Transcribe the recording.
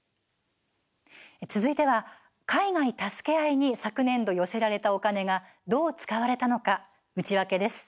続いては「海外たすけあい」に昨年度、寄せられたお金がどう使われたのか、内訳です。